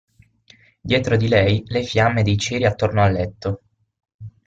Dietro di lei le fiamme dei ceri attorno al letto.